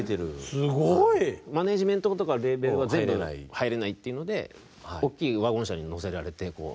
すごい。マネージメントとかレーベルは全部入れないっていうので大きいワゴン車に乗せられて。